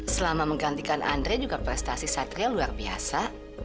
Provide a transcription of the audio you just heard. selama menggantikan andre juga prestasi satria luar biasa